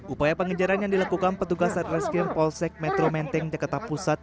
upaya pengejaran yang dilakukan petugas satreskrim polsek metro menteng jakarta pusat